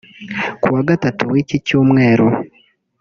Kuwa Gatatu w’iki cyumweru